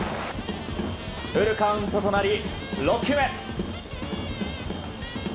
フルカウントとなり６球目。